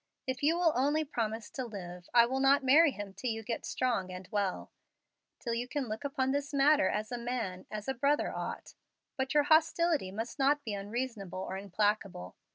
If you will only promise to live I will not marry him till you get strong and well till you can look upon this matter as a man as a brother ought. But your hostility must not be unreasonable or implacable.